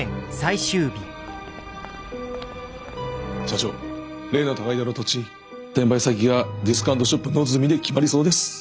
社長例の高井戸の土地転売先が「ディスカウントショップノズミ」で決まりそうです。